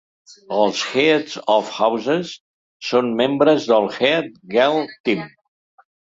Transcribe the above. Els Heads of Houses són membres del Head Girl Team.